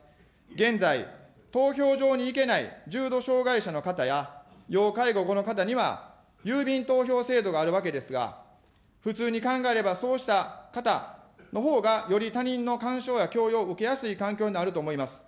現在、投票場に行けない、重度障害者の方や要介護５の方には郵便投票制度があるわけですが、普通に考えればそうした方のほうが、より他人の干渉や強要を受けやすい環境にあると思います。